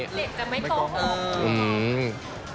เด็กจะไม่โกหก